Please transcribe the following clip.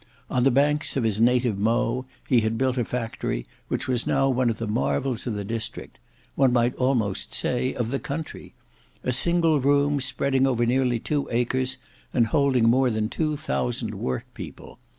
On the banks of his native Mowe he had built a factory which was now one of the marvels of the district; one might almost say, of the country: a single room, spreading over nearly two acres, and holding more than two thousand work people.